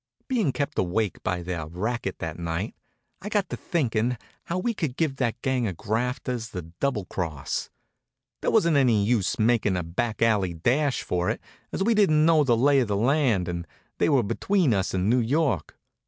Being kept awake some by their racket that night, I got to thinking how we could give that gang of grafters the double cross. There wasn't any use making a back alley dash for it, as we didn't know the lay of the land and they were between us and New York.